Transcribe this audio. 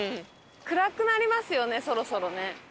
暗くなりますよねそろそろね。